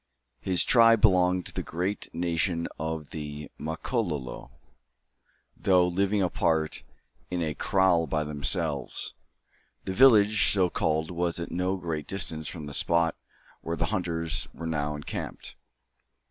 His tribe belonged to the great nation of the Makololo, though living apart, in a "kraal" by themselves. The village, so called, was at no great distance from the spot where the hunters were now encamped.